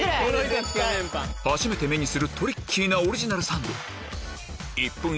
初めて目にするトリッキーなオリジナルサンド